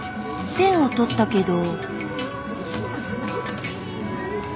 ペンを取ったけど。